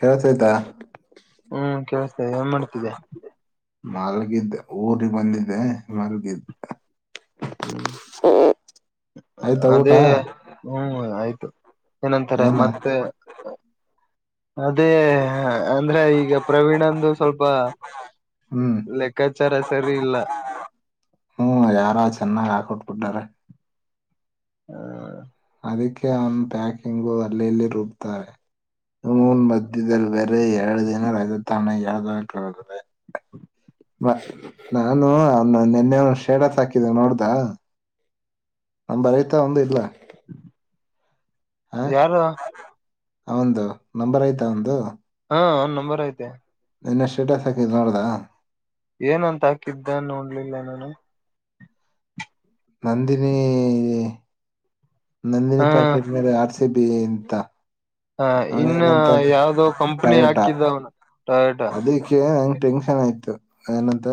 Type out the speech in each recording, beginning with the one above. ಹ ಕಳ್ತಯತಾ ಹ್ಮ್ ಕೇಳಿಸ್ತಾ ಇದೆ ಏನ್ ಮಾಡ್ತಿದ್ದೆ ಮಲ್ಗಿದ್ದೆ ಊರಿಗೆ ಬಂದಿದ್ದೆ ಮಲ್ಗಿದ್ದ ಹ್ಮ್ ಆಯ್ತಾ ಊಟ ಅದೇ ಹ್ಮ್ ಆಯ್ತು ಏನಂತಾರೆ ಏನ ಮತ್ತೆ ಅದೇ ಅಂದ್ರೆ ಈಗ ಪ್ರವೀಣಂದು ಸ್ವಲ್ಪ ಹ್ಮ್ ಲೆಕ್ಕಾಚಾರ ಸರಿ ಇಲ್ಲ ಹ್ಮ್ ಯಾರೋ ಚೆನ್ನಾಗ್ ಹಾಕೋಟ್ ಬಿಿಟ್ಟಾರೆ ಹ್ಮ ಅದಕ್ಕೆ ಅವನ ಪ್ಯಾಕಿಂಗು ಅಲ್ಲಿಲ್ಲಿ ರೂಬ್ುತ್ತಾರೆ ೂನ್ ಮದ್ದದಲ್ ವ ಎರಡು ದಿನ ರಜ ತಾಣ ಎರಕ ಹೋಗ್ರೆ ನಾನು ಅವನ್ನ ನಿೆನ್ನೆ ಒ ಶೇಡತ್ ಹಾಕಿದ್ದ ನೋಡ್ದ ನಮ ಬರೀತಾ ಒಂದು ಇಲ್ಲ ಯಾರು ಹಂದು ನಂಬರ್ ಆಯ್ತಾ ಒಂದು ಹಾ್ ನಂಬರ್ ಐತೆ ನನ್ನ ಸ್ಟೇಟಸ್ ಹಾಕಿದೆ ನೋಡ್ದಾ ಏನಂತ ಹಾಕಿದ್ದ ನೋಡ್ಲಿಲ್ಲ ನಾನು ನಂದಿನಿ ನಂದಿನಿ ಹಾ ಪ್ಯಾಕೆಟ್ ಮೇಲೆ ಆ ಸಿಬಂತ ಹ ಇನ್ನ ಯಾವ್ದೋ ಕಂಪನಿ ಪ್ರಯೋಟ ಹಾಕಿದವನ ಟಯಟ ಅದಕ್ಕೆ ನಂಗ್ ಟೆನ್ಷನ್ ಆಯ್ತು ಏನಂತ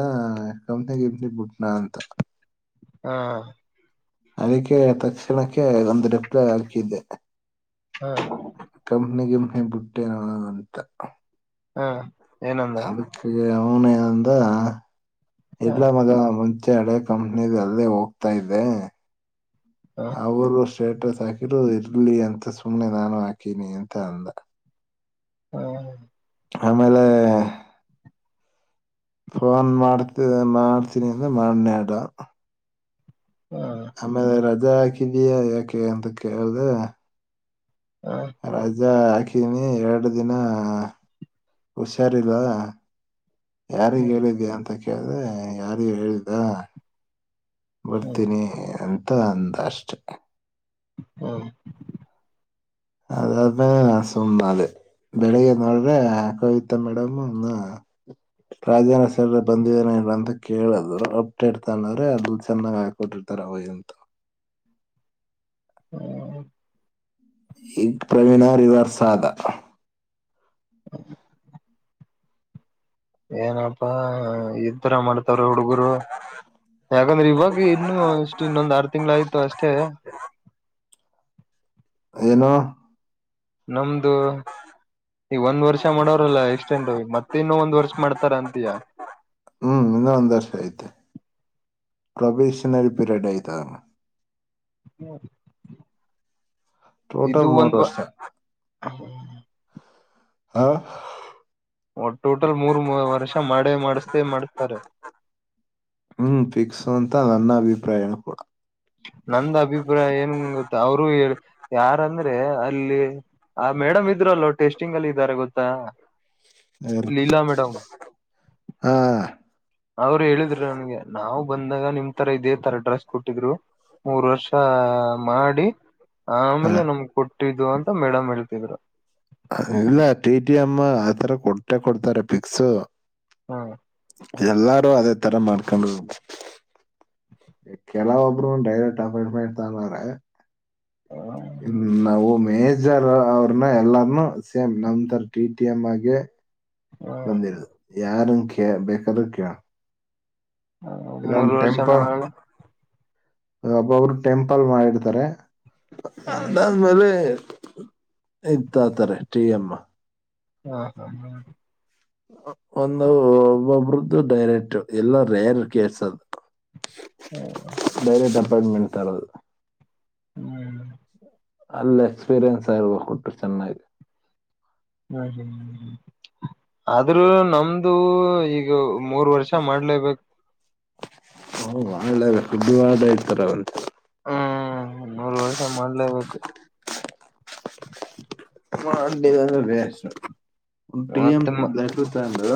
ಕಂಪ್ನಿ ಗಂಪ್ನಿ ಬಿುಟ್ನಾ ಅಂತ ಹಾ ಅದಕೆಯ ತಕ್ಷಣಕ್ಕೆ ಒಂದು ಪ್ಲೆ ಹಾಕಿದೆ ಹಾ ಗಂನಿ ಗಂಪನಿ ಬಿುಟ್ಟೆನದು ಅಂತ ಹಾ ಏನಂದ ಅದಕ್ಕೆ ಈ ಅವನೇ ಅಂದ ಹ ಎಡ್ಲ ಮ ಮುಂಚೆ ಅಳೇ ಕಂಪನಿಲ್ಲೇ ಹೋಗ್ತಾ ಇದೆ ಹ ಅವ ಸ್ಟೇಟಸ್ ಹಾಕಿರೂ ಇರ್ಲಿ ಅಂತ ಸುಮ್ನೆ ನಾನು ಹಾಕೀನಿ ಅಂತ ಅಂದ ಹ್ಮ ಆಮೇಲೆ ಫೋನ್ ಮಾಡ್ತ ಮಾಡ್ತೀನಿ ಅಂತ ಮಾಡನ ಅಡ ಹ ಆಮೇಲೆ ಾಕಿದಯಾ ಯಾಕೆ ಅಂತ ಕೇಳ್ದ ಹ ರಾಜಾ ಹಾಕನಿ ಎರಡು ದಿನ ಹುಷಾರಿಲ್ಲ ಯಾರಿಿಗೆ ಹ್ಮ್ ಹೇಳಿದ ಅಂತೇಳ ಯ ಅ್ರೆ ಯಾರು ಹೇಳಿದ್ದ ಹ್ಮ್ ಬರ್ತೀನಿ ಅ ಅಂದಷ್ಟೆ ಹಾ ಅದಾದ್ಮೇ ಸುಮ್ನ ಅದೆ ಬೆಳಿಗ್ಗೆ ನೋಡ್ರೆ ಕೋವಿತಾ ಮೇಡಮ್ ನ [inaudible] ಈಗ್ ಪ್ರವೀಣ ರಿವರ್ಸ ಆದ [inaudible] ಏನಪ್ಪಾ ಇದ ತ್ತರ ಮಾಡ್ತವ ಹುಡುಗರು ಯಾಕಂದ್ರೆ ಇವಾಗ ಇನ್ನು ಇಷ್ಟು ಇನ್ನೊಂದ್ ಆರು ತಿಂಗಗಳ ಆಯ್ತು ಅಷ್ಟೇ ಏನು ನಮ್ದು ಈ ಒಂದ್ ವರ್ಷ ಮಾಡೋರಲ್ಲ ಎಕ್ಸ್ಟೆಂಡ ಮತ್ತ ಇನ್ನು ಒಂದ್ ವರ್ಷ ಮಾಡ್ತಾರ ಅಂತಯ ಹ್ಮ್ ಪ್ರಬೇಶನ ರಪಿರಾಡ ಇತ ಹ್ಮ ಟೋಟಲ್ ಇದು ಮೂರ್ ಒಂದು ವರ್ಷ ಹಾ ಒ ಟೋಟಲ್ ಮೂರು ವರ್ಷ ಮಾಡೇ ಮಾಡಿಸತೇ ಮಾಡಿಸ್ತಾರೆ ಹ್ಮ್ ಫಿಕ್ಸ್ ಅಂತ ನನ್ನ ಅಭಿಪ್ರಾಯ ಕೂಡ ನಂದ ಅಭಿಪ್ರಾಯ ಏನ್ ಗೊ ಅವರು ಹೇಳ ಯಾರಂದ್ರೆ ಅಲ್ಲಿ ಆ ಮೇಡಮ್ ಇದ್ಲ್ವ ಟೆಸ್ಟಿಂಗ್ಲ್ಲಿಲ್ಲ್ದಾರೆ ಗೊ ಹಾ ಹ್ಮ್ ಅವರು ಹೇಳಿದ್ರರು ನನ್ಗೆ ನಾ್ ಬಂದಾಗ ನಿಮ್ ತರ ಇದೇ ತರ ಡ್ರೆಸ್ ಕೊಟ್ಟಿದ್ರು ಮೂರ್ ವರ್ಷ ಮಾಡಿ ಹಾ ಆಮೇಲೆ ನಮ್ಗ್ ಕೊಟ್ಟಿದ್ದು ಅಂತ ಮೇಡಮ್ ಹೇಳ್ತಿದ್ರು ಅ ಇಲ್ಲ ಟಿ.ಟಿ.ಎಂ ಆ ತರ ಕೊಟ್ಟೆ ಕೊಡ್ತಾರೆ ಪಿಕ್ಸು ಹ್ಮ ಎಲ್ಲಾರು ಅದೇ ತರ ಮಾಡ್ಕೊಂಡ ಕೆಲ ಒೊಬ್ಬರು ಡೈರೆಕ್ಟ್ ಅಪಾಯ್ಮೆಂಟ್ ತ್ರ ಹ ನಾವು ಮೇಜರ್ ಅವ್ರನ್ನ ಎಲ್ಲಾರ್ನುೂ ಸೇಮ್ ನಮ ತರ ಟಿ ಟಿ ಎಂ ಆಗಿ ಹ್ಮ ಬಂದಿ ಯಾರ ಕ ಬೇಕಾದ ಕ ಹ ಮೂರು ವರ್ಷ ಮಾಡಳ ಒಬ್ಬಬ್ರು ಟೆಂಪಲ್ ಮಾಡಿರ್ತಾರೆ ಅದಾದ್ಮೇಲೆ ಇಂತ ಆ ತಾರೆ ಟಿ ಅಮ್ಮ ಹಾ ಹಾ ಹಾ ಒಂದು ಒಬ್ಬೊಬ್ರದ್ದು ಡೈರೆಕ್ಟ್ ಎಲ್ಲ ರೇರ್ ಕೇರ್ಸ ಅದು ಹ್ಮ ತರದು ಹ್ಮ್ ಅಲ್ಲ ಎಕ್ಸ್ಪೀರಿಯನ್ಸ್ ಆಗರ್ಬೇಕ ಕೊಟ್ಟು ಚೆನ್ನ ಹ್ಮ್ ಹ್ಮ್ ಆದ್ರೂ ನಮ್ದು ಈಗ ಮೂರ್ ವರ್ಷ ಮಾಡ್ಲೇಬೇಕು ಹಓ ಒಳ್ಳ ಸುದ್ದವಾದ ಇಡ್ತಾರೆ ಅವಂತೆ ಹ್ಮ್ ಮೂರ್ ವರ್ಷ ಮಾಡ್ಲೇಬೇಕು ಹ ಅಲ್ಲಿಗ ಅಂದ್ರ ಡಿ ಎಮ ಮತ್ತೆ ಮ ಹ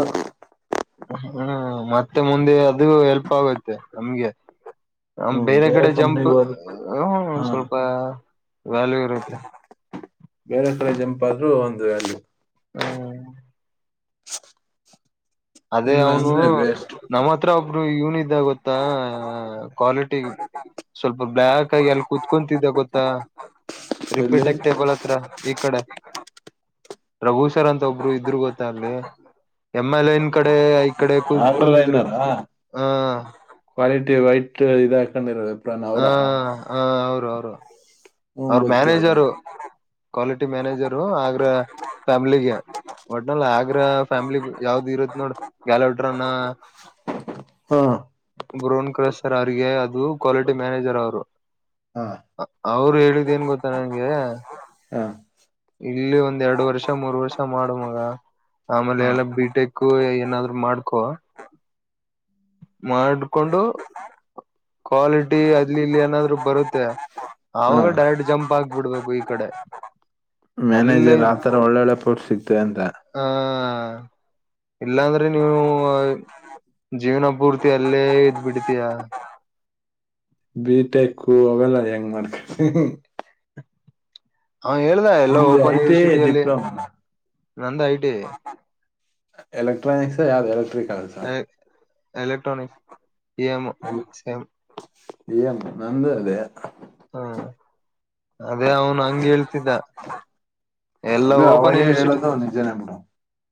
ಹ್ಮ್ ಮತ್ತೆ ಮುಂದೆ ಅದು ಹೆಲ್ಪ್ ಆಗುತ್ತೆ ನಮ್ಗೆ ಬೇರೆ ಕಡೆ ಜಂಪ್ ಕಂಪ್ನಿಗೆ ಹೋದ ಎಲೋ ಒನ್ ಕಡೆ ಹಾ ಸ್ವಲ್ಪ ವ್ಯಾಲ್ಯೂ ಇರುತ್ತೆ ಬೇರೆ ಕಡೆ ಜಂಪಾದ್ರೂ ಒಂದು ವ್ಯಾಲ್ಯೂ ಹ್ಮ [inaudible] ಅದೇ ಇಲ್ಲ ಅವನು ಅಂದ್ರೆ ವೇಸ್ಟ್ ನಮ್ಮ್ ಹತ್ರ ಒಬ್ರು ಇವನ ಇದ್ದ ಗೊತ್ತಾ ಕ್ವಾಲಿಟಿ ಸ್ವಲ್ಪ ಬ್ಲಾಕ್ ಆಗಿ ಎಲ್ಲಿ ಕುೂತ್ಕೊಂತಿದ್ದ ಗೊತ್ತಾ ಎಲ್ಲಿ ರಿಪ್ರಿಡೆಕ್ಟೇಬಲ್ ಹತ್ರ ಈ ಕಡೆ ಪ್ರಭು ಅಂತ ಒಬ್ರು ಇದ್ರ ಗೊತ್ತ ಅಲ್ಲಿ ಎಂ ಎಲ್ ಎನ್ ಕಡೆ ಈ ಕಡೆ ಕುತ್ ಕುಂದಿದ್ರು ಆಂಡ್ರಾಲೈನರ್ ಹ ಕ್ವಾಲಿಟಿ ವೈಟ್ ಇದ ಹಾಕೊಂಡಿರೋದು ಹಾ ಹಾ ಹಾ ಹಾ ಅವರು ಅವ್ರು ಹ್ಮ್ ಅವ್ರ ಗೊತ್ತೇ ಮ್ಯಾನೇಜರು ಕ್ವಾಲಿಟಿ ಮ್ಯಾನೇಜರೂ ಆಗ್ರ ಫ್ಯಾಮ್ಲಿಗೆ ಒಟ್ನಲ್ಲಿ ಆಗ್ರ ಫ್ಯಾಮಿಲಿ ಯಾವ್ದ ಇರುತ್ತ ನೋಡ ಗಾಲಟ್ರನಾ ಹಾ ಬ್ರೋನ್ ಕ್ರಶ ಸರ್ ಅವ್ರಿಗೆ ಅದು ಕ್ವಾಲಿಟಿ ಮ್ಯಾನೇಜರ್ ಅವರು ಹಾ ಅವ್ರು ಹೇಳ ಹೇಳಿದ ಏನ್ ಗೊತ್ತಾ ನನ್ಗೆ ಹಾ ಇಲ್ಲಿ ಒಂದ್ ಎರಡು ವರ್ಷ ಮೂರ್ ವರ್ಷ ಮಾಡು ಮಗ ಆಮೇಲೆ ಹಾ ಎಲ್ಲ ಬಿಟೆಕ್ ಏನಾದ್ರು ಮಾಡ್ಕೊ ಮಾಡ್ಕೊಂಡು ಕ್ವಾಲಿಟಿ ಅಲ್ಲಿ ಇಲ್ಲಿ ಏನಾದ್ರು ಬರುತ್ತೆ ಹಾ ಆಗ ಡೈರೆಕ್ಟ್ ಜಂಪ್ ಆಗ್ಬಿಡ್ಬೇಕು ಈ ಕಡೆ ಅಲ್ಲೇ ಮ್ಯಾನೇಜರ್ ಆತರ ಒಳ್ಳೊಳ್ಳೆ ಪೊಸ್ಟ್ ಸಿಗ್ತವೆ ಅಂತ ಆ ಇಲ್ಲಾಂದ್ರೆ ನೀವು ಜೀವನ ಪೂರ್ತಿ ಅಲ್ಲೇ ಇದ್ ಬಿಡ್ತೀಯಾ ಮಾಡಕ ಹ ಹೇಳ್ದ ಎಲ್ಲ ಓಪನ್ ಐ ಟಿ ಯನಿವರ್ಸಿಟಿ ಐ ಅಲ್ಲಿ ಡಿಪ್ಲೊಮಾ ನಂದ ಐಟಿ ಎಲೆಕ್ಟ್ರಾನಿಕ್ಸ್ ಯಾವ್ದ ಎಲೆಕ್ಟ್ರಿಕ್ ಸ ಎಲೆ ಕ್ಟ್ರಾನಿಕ್ಸ್ ಇಮ್ಮು ಸೇಮ್ ನಂದು ಅದೆಯ. ಹಾ ಅದೇ ಅವನು ಹಂಗ ಹೇಳ್ತಿದ್ದ, ಎಲ್ಲಾ ಓಪನ್ ಅವಾಗೇ ಯೂನಿವರ್ಸಿಟಿ, ಹೇಳೋದು ನಿಜನೇ ಬಿಡು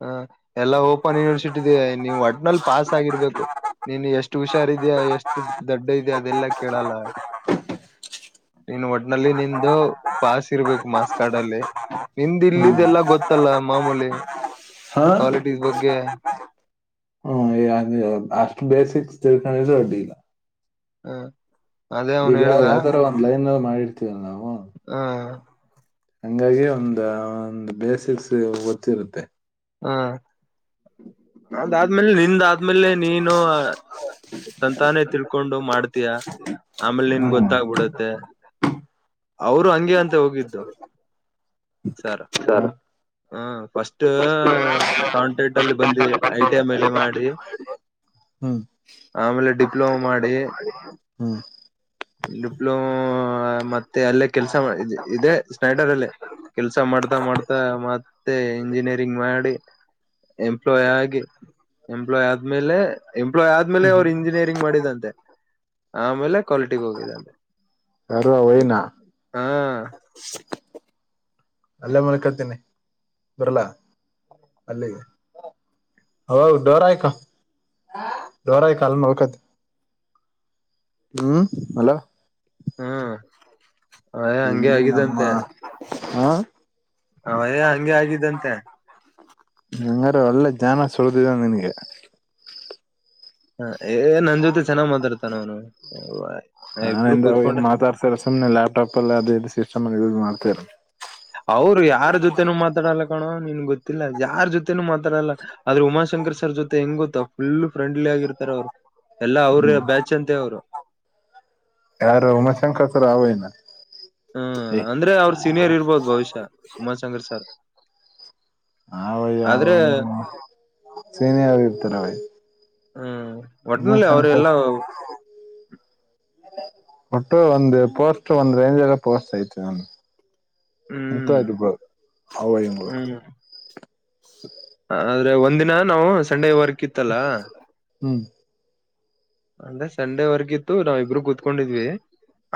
ಹ್ ಎಲ್ಲಾ ಓಪನ್ ಯೂನಿವರ್ಸಿಟಿದ ನೀವು, ಒಟ್ನಲ್ಲಿ ಪಾಸ್ ಆಗಿರ್ಬೇಕು, ನೀನು ಎಷ್ಟು ಹುಷಾರ್ ಇದ್ಯಾ ಎಷ್ಟು ದಡ್ಡ ಇದ್ಯಾ ಅದೆಲ್ಲಾ ಕೇಳಲ್ಲ. ನಿನ್ ಒಟ್ನಲ್ಲಿ ನಿಂದು ಪಾಸ್ ಇರ್ಬೇಕು, ಮಾರ್ಸ್ ಕಾರ್ಡಲ್ಲಿ, ನಿಂದ್ ಇಲ್ಲದು ಎಲ್ಲ ಗೊತ್ತಲ್ಲ ಮಾಮೂಲಿ ಹಾ ಕ್ವಾಲಿಟಿಸ್ ಬಗ್ಗೆ ಹ್ಮ ಅಷ್ಟು ಬೇಸಿಕ್ ತಿಳ್ಕೊಂಡ ಇದ್ರೆ [unintelligible] ಹಾ ಈಗ ಯಾವ್ ತರ ಬಂದ್ಲಿ ಮಾಡಿರ್ತೀವಲ್ಲ ನಾವು. ಹ್ಮ ಹಂಗಾಗಿ ಒಂದು ಒಂದು ಬೇಸಿಕ್ಸ್ ಗೊತ್ತಿರುತ್ತೆ. ಹ ಅದಾದ್ಮೇಲೆ ನಿಂದ ಆದ್ಮೇಲೆ ನೀನು ತಂತಾನೇ ತಿಳ್ಕೊಂಡು ಮಾಡ್ತೀಯ, ಆಮೇಲೆ ನಿನ್ ಹ್ಮ್ ಗೊತ್ತಾಗ್ಬಿಡತ್ತೆ. ಅವರು ಹಂಗೆ ಅಂತೆ ಹೋಗಿದ್ದು. ಸರ್ ಹ ಫಸ್ಟ್ ಕಾಂಟ್ರೆಕ್ಟ್ ಅಲ್ಲಿ ಬಂದ ಐ ಟಿ ಮೇಲೆ ಮಾಡಿ ಹ್ಮ್ ಆಮೇಲೆ ಡಿಪ್ಲೊಮ ಮಾಡಿ, ಹ್ಮ್ ಡಿಪ್ಲೊಮ ಮತ್ತೆ ಅಲ್ಲೇ ಕೆಲ್ಸ ಇದದೆ ಸ್ನೈಟರ್ಲ್ಲಿ ಕೆಲ್ಸ ಮಾಡ್ತಾ ಮಾಡ್ತಾ ಮತ್ತೆ ಇಂಜಿನಿಯರಿಂಗ್ ಮಾಡಿ, ಎಂಪ್ಲಾಯ್ ಆಗಿ ಎಂಪ್ಲಾಯ್ ಆದ್ಮೇಲೆ ಎಂಪ್ಲಾಯ್ ಆದ್ಮೇಲೆ ಅವ್ರು ಇಂಜಿನಿಯರಿಂಗ್ ಮಾಡಿದಂತೆ. ಆಮೇಲೆ ಕ್ವಾಲಿಟಿಗೆ ಹೋಗಿದರೆ. ಹಲೊ ವಹಿನಾ ಅಲ್ಲೇ ಮಲ್ಕತೀನಿ, ಬರಲ್ಲ ಅಲ್ಲಿಗೆ ಹ ಡೋರ ಆಯ್ಕ ಡೋರ್ ಆಯ್ಕ, ಅಲ್ಲಿ ಮಲ್ಕತಿ. ಹ್ಮ್ ಹಲೋ ಹ್ಮ್ ಹ ಹಂಗೆ ಇಲ್ಲಿ ನಮ್ಮ ಆಗಿದಂತೆ ಹಾ ಅವದ ಹಂಗೆ ಆಗಿದ್ದಂತೆ. ಹಂಗಾರ ಒಳ್ಳೆ ಜಾನ ಸುಳ್ದಿದ ನನ್ಗೆ ಹ್ಮ ಇಬ್ರು ನಾನಿಂದ ನವೀನ ಕೂತ್ಕೊಂಡ್ರೆ ಮಾತಾಡ್ತಾರೆ, ಸುಮ್ನೆ ಲ್ಯಾಪ್ಟಾಪ್ ಅಲ್ಲಿ ಅದದು ಸಿಸ್ಟಮ್ಲಿ ಅತ್ತೇರ ಅವ್ರು ಯಾರ ಜೊತೆೇನೂ ಮಾತಾಡಲ್ಲ ಕಣೋ, ನಿನ್ ಗೊತ್ತಿಲ್ಲ ಯಾರ ಜೊತೆನೂ ಮಾತಾಡಲ್ಲ ಆದ್ರೆ ಉಮಾಶಂಕರ್ ಸರ್ ಜೊತೆ ಹೆಂಗ್ ಗೊತ್ತ ಫುಲ್ ಫ್ರೆಂಡ್ಲಿ ಆಗಿರ್ತಾರ ಅವ್ರು. ಇಲ್ಲಾ ಅವ್ರ ಬ್ಯಾಚ್ ಅಂತೆ ಅವ್ರು. ಯಾರು ಉಮಾಶಂಕತ್ರ ಅವೈನ ಹ್ಮ ಅಂದ್ರೆ ಅವ್ರ ಸೀನಿಯರ್ ಇರ್ಬೋದು ಬಹುಶ್ಯ ಉಮಾಶಕರ್ ಸಾರ್. ಹಯ್ಯ ಅವ ಸೇನಾಗಿರ್ತಾರ ಅವಯ ಹ್ಮ ಒಟ್ಟನಲ್ಲಿ ಅವರು ಎಲ್ಲಾ ಒಟ್ಟು ಒಂದು ಪೋಸ್ಟ್ ಒಂದ್ ರೇಂಜ್ಾಗ ಪೋಸ್ಟ್ ಆಐತ ನ ಹ್ಮ್ ಮೂತ್ತಾಯರ ರೂಪ ಅವಾಯಂಗ ಹ್ಮ್ ಸ. ಆದ್ರೆ ಒಂದಿನ. ನಾವು ಸಂಡೇ ವರ್ಕ್ ಇತ್ತಲ್ಲ. ಹ್ಮ್. ಅಂದ್ರೆ ಸಂಡೆವರೆಗಿತ್ತು. ನಾವವು ಇಬರುೂ ಕೂತ್ಕೊಂಡಿದ್ವಿ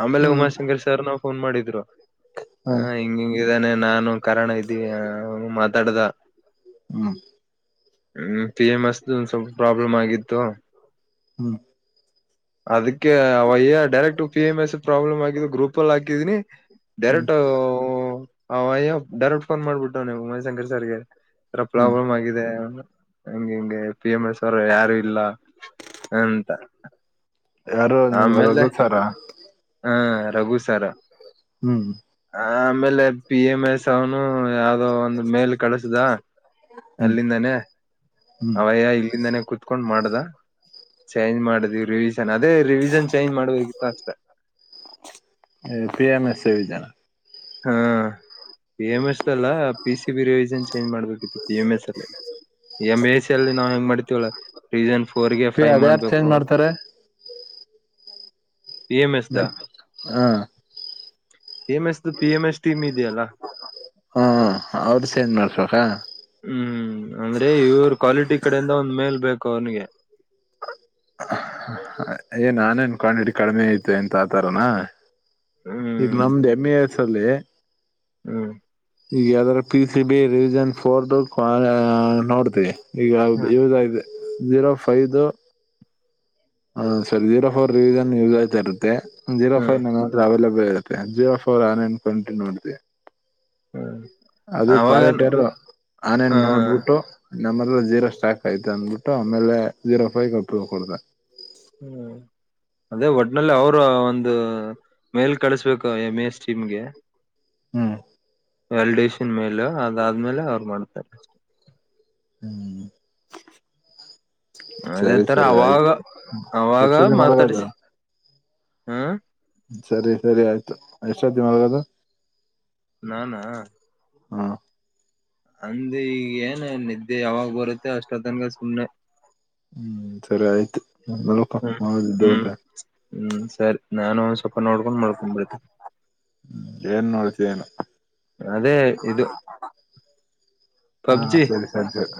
ಆಮೇಲೆ ಹ್ಮ್ ಉಮಾ ಶಂಗರ್ ಸರ್ ನಾವು. ಫೋನ್ ಮಾಡಿದ್ರು. ಹಾ ಹ ಹಿಂಗ ಹಂಗಿದಾನೆ. ನಾನು ಕಾರಣ ಇದೀ ಮಾತಾಡದ. ಹ್ಮ. ಹ್ಮ್ ಪಿ ಎಂ ಅಸ್ ಒಂದ ಸ್ವಲ್ಪ ಪ್ರಾಬ್ಲಮ್ ಆಗಿತ್ತು. ಹ್ಮ್. ಅದಕ್ಕೆ ಅವಯ್ಯ direct P M S problem ಆಗು ಗ್ರೂಪ್. ಪ್ಪಲ್ ಹಾಕಿದೀನಿ. ಹ್ಮ್ ರೆಟು. ಅವವಯ. ಡೈರೆಕ್ಟ್ ಫೋನ್ ಮಾಡ್ಬಿಟ್ಟವನ ಉಮಯ ಶಂಕರ್ ಸರ್ಗೆ ಹ್ಮ್ ಪ್ರಾಬ್ಲಮ್ ಆಗಿದೆ. ಹಂಗೆ ಹಿಂಗೆ ಪಿ ಎಂ ಎಸ್ ಅವರು ಯಾರು ಇಲ್ಲ. ಎಂತ. ಯಾರು ನಿಮ್ಮ್ ರಘೋ ಸಾರ. ರಘುಸರ ಹ್ಮ್. ಆಮೇಲೆ. ಪಿ ಎಮ್ ಎಸ್ ಅವನು ಯಾವ್ದೋ ಒಂದ್ ಮೇಲ್ ಕಳಸದ ಹ್ಮ್ ಅಲ್ಲಿಂದನೇ ಹ್ಮ್ ಅವಯ್ಯ ಇಲ್ಲಿಂದನೇ ಕುೂತ್ಕೊಂಡ್ ಮಾಡ್ದ. ಚೇಂಜ್ ಮಾಡಿದವಿ ರಿವಿಷನ್ ಅ. ಅದೇ ರಿವಿಿಸನ್ ಚೇಂಜ್ ಮಾಡುವಿತ್ತು ಅಷ್ಟ. ಪಿ ಎಂ ಎಸ್ ಸೇವಿ ಜನ ಹಾ. ಪಿ ಎಂ ಎಸ್ಲ್ಲ P C B revision change ಮಾಡ್ಬೇಕಿತ್ತು ಪಿ ಎಂ ಎಸ್ ಅಲ್ಲಿ ಎಂ ಎಸ್ ಅಲ್ಲಿ ನಾವ್ ಹೆಂಗ್ ಮಾಡ್ತವಳ. ರೀಸನ್. ಫೋರ್ ಗೆ ಫೈವ್ ಅದ ಯಾರ್ ಚೇಂಜ್ ಮಾಡ್ಬೇಕು ಮಾಡ್ತಾರೆ. ಪಿ ಮ ಹಾ. M S. ಇದು ಪಿ ಎಂ ಎಸ್ ಟೀಮ್ ಇದೆಯಲ್ಲ. ಹಾ ಅವ್ರ ಚೇಂಜ್ ಮಾಡ್ಸಬೇಕಾ. ಹ್ಮ್ ಅಂದ್ರೆ ಇವ್ರ ಕ್ವಾಲಿಟಿ ಕಡೆಯಿಂದ ಒಂದ್ ಮೇಲ್ ಬೇಕು ಅವನಿಗೆ. ಏ ನಾನೇ ಅನ್ಕೊಂಡ್ ಹಿಡಿ ಕಡಿಮೆ ಐತೆ ಎಂತ ಆತರನಾ. ಈಗ ಹ್ಮ್ ನಮ್ದ ಹೆಮ್ಮೆ ಸಲ ಹ್ಮ್ ಈಗ ಯದರ P C B revision four ಕೂ ನೋಡ್ತಿವಿ ಈಗ ಹ್ಮ್ ಇದಾಗಿದೆ ಜೀರೋ ಫೈದು ಹ ಸರಿ ಜೀರೋ ಫೋರ್ ರಿವಿಸನ್ ಯೂಸ್ ಆಯತಾ ಇರುತ್ತೆ [unintelligible] ತ್ತೆ ಹ್ಮ್ ಜಿಫ್ ಅವ್ ನಾನೇನ್ ಕಂಟಿ ಮಾಡಡ್ತವಿ ಹ್ಮ್ ಅದು ಅವಾಗ ಕ್ವಾಲಿಟಿಯರು ಹ ಆನೇನ್ ನೋಡ್ಬಿಟ್ಟು ನಮ್ಮ ಜೀರೋ ಸ್ಟಾಕ್ ಆಯ್ತ ಅಂದ್ಬಿಟ್ಟು ಆಮೇಲೆ ಜೀರೋ ಫೈವಗೆಪೂವ್ ಕೊಡತ ಹ್ಮ ಅದೇ ಒಟ್ನಲ್ಲಿ ಅವರು ಒಂದು ಮೇಲ್ ಕಳಸ್ಬೇಕು ಎಮ್ ಎ ಎಸ್ ಟೀಮ್ಗೆ ಹ್ಮ್ ಎಲ್ಡಷನ್ ಮೇಲೆ ಅದಾದ್ಮೇಲೆ ಅವ್ರು ಮಾಡ್ತಾರೆ ಅ ಹ್ಮ್ ಅದೇ ಸರಿ ತರ ಸರಿ ಅವಾಗ ಆಯ್ತು ಅವಾಗ ಎಷ್ಟೊತ್ತಿಗೆ ಮಲಗೋದು ಮಾತಾಡ್ಸಿ ಹ್ಮ ಸರಿ ಸರಿ ಆಯ್ತು ಎಷ್ಟೀತಿಗಿ ಬರೋದು ನಾನ ಹ್ಮ ಅಂದ ಈಗ ಏನ ನಿದ್ದೆ ಯಾವಾಗ ಬರುತ್ತೆ ಅಷ್ಟೊ ತನಕ ಸುಮ್ನೆ ಹ್ಮ್ ಸರಿ ಆಯ್ತು ಹ್ಮ್ ಹ್ಮ್ [unintelligible] ಹ್ಮ್ ಸರಿ ನಾನು ಒನ್ ಸ್ವಲ್ಪ ನೋಡ್ಕೊಂಡ್ ಮಾಡ್ಕೊಂಡ್ಬಿಡತೆ ಏನ್ ನೋಡ್ತೀಯ ಏನೋ ಅದೇ ಇದು ಹಾ ಪಬ್ಜಿ ಸರಿ ಸರಿ ಸರಿ